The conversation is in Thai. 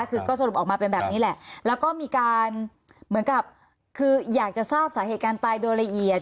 คือก็สรุปออกมาเป็นแบบนี้แหละแล้วก็มีการเหมือนกับคืออยากจะทราบสาเหตุการตายโดยละเอียด